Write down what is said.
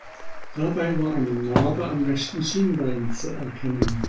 Dabei war eine Narbe am rechten Schienbein zu erkennen.